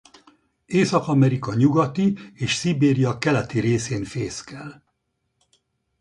Észak-Amerika nyugati és Szibéria keleti részén fészkel.